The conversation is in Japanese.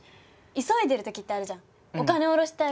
急いでる時ってあるじゃん。